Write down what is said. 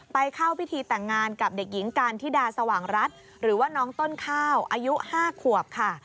เข้าพิธีแต่งงานกับเด็กหญิงการธิดาสว่างรัฐหรือว่าน้องต้นข้าวอายุ๕ขวบค่ะ